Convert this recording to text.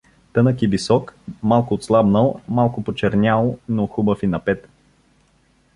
Тънък и висок, малко отслабнал, малко почернял, но хубав и напет.